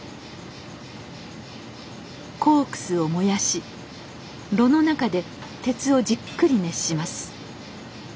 コークスを燃やし炉の中で鉄をじっくり熱します。